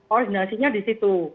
orinasinya di situ